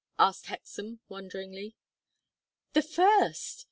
asked Hexam, wonderingly. "The first!